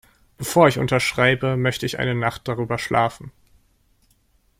Bevor ich unterschreibe, möchte ich eine Nacht darüber schlafen.